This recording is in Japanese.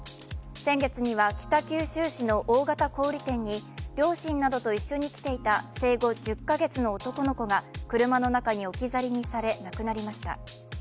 先月には北九州市の大型小売店に両親などと一緒に来ていた生後１０か月の男の子が車の中に置き去りにされ亡くなりました。